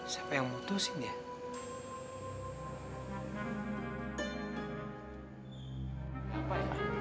siapa yang putusin ya